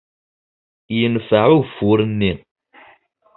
Yenfeε ugeffur-nni.